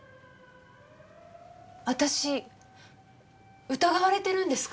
私疑われてるんですか？